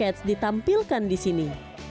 sebatu cats ditampilkan di sini